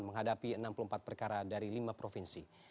menghadapi enam puluh empat perkara dari lima provinsi